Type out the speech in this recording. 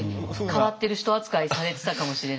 変わってる人扱いされてたかもしれないですよね。